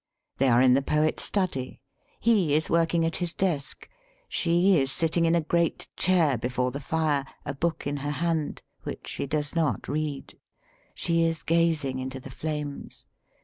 '* They are in the poet's study; he is working at his desk; she is sitting in a great chair before the fire, a book in her hand, which she does not read; she is gazing into the flames.